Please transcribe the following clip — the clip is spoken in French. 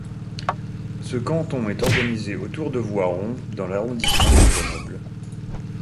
Ce canton est organisé autour de Voiron dans l'arrondissement de Grenoble.